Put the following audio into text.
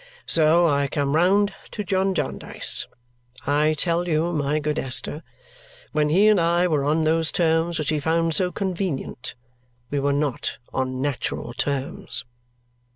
So I come round to John Jarndyce. I tell you, my good Esther, when he and I were on those terms which he found so convenient, we were not on natural terms."